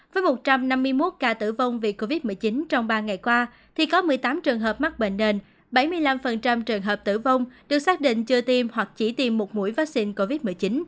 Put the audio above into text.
với một trăm năm mươi một ca tử vong vì covid một mươi chín trong ba ngày qua thì có một mươi tám trường hợp mắc bệnh nền bảy mươi năm trường hợp tử vong được xác định chưa tiêm hoặc chỉ tiêm một mũi vaccine covid một mươi chín